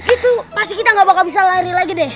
itu pasti kita gak bakal bisa lari lagi deh